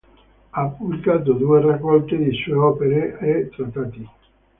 Ha pubblicato due raccolte di sue opere e trattati.